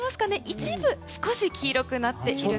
一部、少し黄色くなっていて。